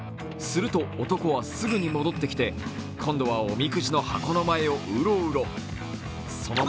すると、男はすぐに戻ってきて、今度はおみくじの箱の前をウロウロ。